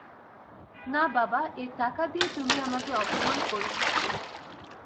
না বাবা, এ টাকা দিয়ে তুমি আমাকে অপমান কোরো না।